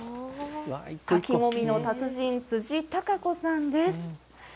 柿もみの達人、辻孝子さんです。